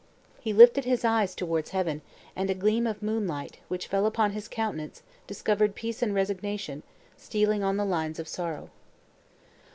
He lifted his eyes towards heaven, and a gleam of moonlight, which fell upon his countenance, discovered peace and resignation, stealing on the lines of sorrow.